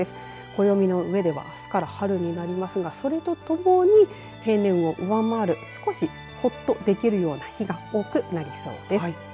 暦の上ではあすから春になりますがそれとともに平年を上回る少しほっとできるような日が多くなりそうです。